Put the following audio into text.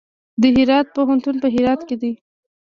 د هرات پوهنتون په هرات کې دی